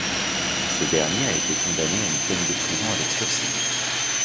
Ce dernier a été condamné à une peine de prison avec sursis.